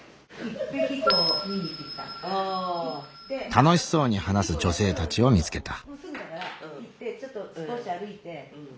楽しそうに話す女性たちを見つけた。